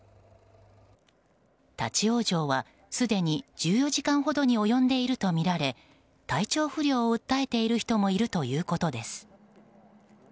立ち往生は、すでに１４時間ほどに及んでいるとみられ体調不良を訴えている人もいるということです。